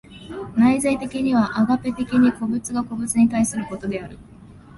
内在的にはアガペ的に個物が個物に対することである。